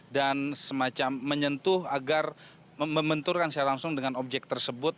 dan semacam menyentuh agar mementurkan secara langsung dengan objek tersebut